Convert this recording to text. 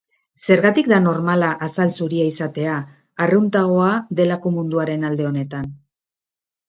Zergatik da normala azal zuria izatea, arruntagoa delako munduaren alde honetan?